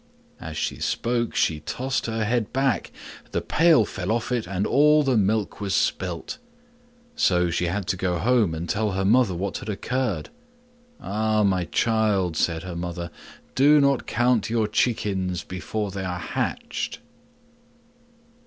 As she spoke, she tossed her head back, the Pail fell off it and all the milk was spilt. So she had to go home and tell her mother what had occurred. "Ah, my child," said her mother, DO NOT COUNT YOUR CHICKENS BEFORE THEY ARE HATCHED.